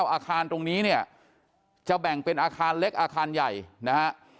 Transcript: อาคารตรงนี้เนี่ยจะแบ่งเป็นอาคารเล็กอาคารใหญ่นะฮะ